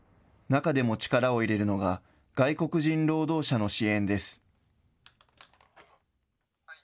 中でも力を入れるのが、外国人労働者の支援です。